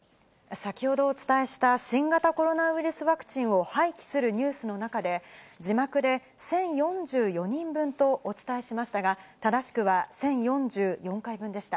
先ほどお伝えした、新型コロナウイルスワクチンを廃棄するニュースの中で、字幕で１０４４人分とお伝えしましたが、正しくは１０４４回分でした。